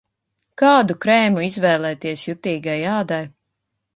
Kādu krēmu izvēlēties jutīgai ādai?